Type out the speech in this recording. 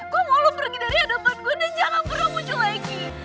gue mau lo pergi dari hadapan gue dan jangan pernah muncul lagi